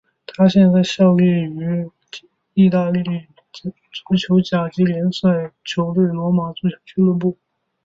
他现在效力于意大利足球甲级联赛球队罗马足球俱乐部。